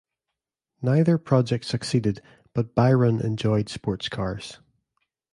Neither project succeeded, but Byron enjoyed sports cars.